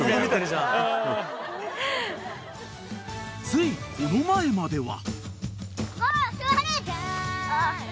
［ついこの前までは］